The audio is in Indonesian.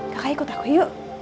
kakak ikut aku yuk